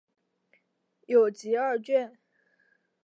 有集二卷。